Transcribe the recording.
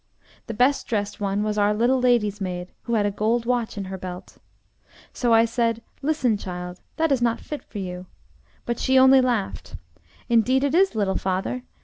The best dressed one was our little lady's maid, who had a gold watch in her belt. So I said: 'Listen, child, that is not fit for you.' But she only laughed. 'Indeed it is, little father.